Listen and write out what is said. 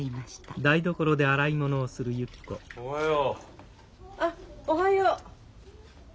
あっおはよう。